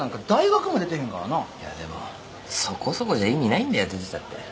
いやでもそこそこじゃ意味ないんだよ出てたって。